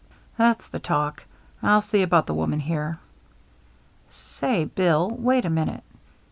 " That's the talk. I'll see about the woman here." " Say, Bill, wait a minute.